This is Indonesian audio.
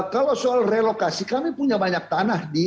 kalau soal relokasi kami punya banyak tanah di jepas